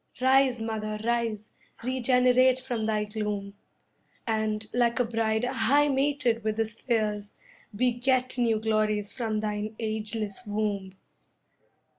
Rise, Mother, rise, regenerate from thy gloom, And, like a bride high mated with the spheres, Beget new glories from thine ageless womb!